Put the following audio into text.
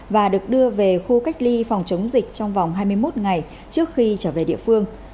và được đưa về khu cách ly phòng chống dịch trong vòng hai mươi một ngày trước khi trở về địa phương